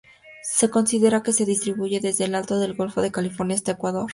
Se considera que se distribuye desde el este del Golfo de California hasta Ecuador.